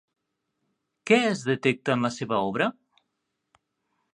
Què es detecta en la seva obra?